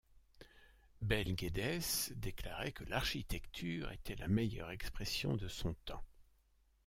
Bel Geddes déclarait que l'architecture était la meilleure expression de son temps.